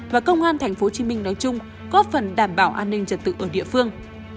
và công an tp hcm nói chung góp phần đảm bảo an ninh trật tự ở địa phương